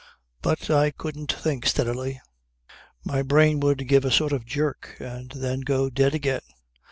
But I couldn't think steadily. My brain would give a sort of jerk and then go dead again.